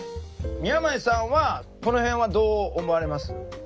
宮前さんはこの辺はどう思われます？